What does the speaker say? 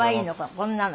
こんなの。